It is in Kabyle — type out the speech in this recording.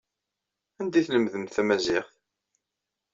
Anda ay tlemdemt tamaziɣt?